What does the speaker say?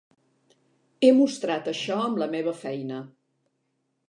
He mostrat això amb la meva feina.